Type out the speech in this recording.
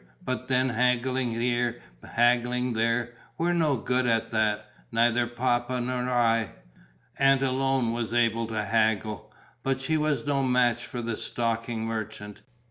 But then haggling here, haggling there. We're no good at that: neither Papa nor I. Aunt alone was able to haggle. But she was no match for the stocking merchant.